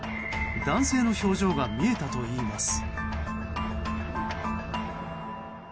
男性の表情が見えたといいます。